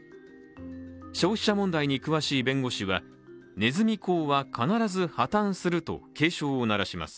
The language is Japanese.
消費者問題に詳しい弁護士はねずみ講は必ず破綻すると警鐘を鳴らします。